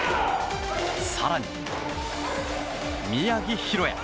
更に、宮城大弥。